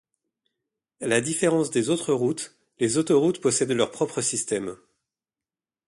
À la différence des autres routes, les autoroutes possèdent leur propre système.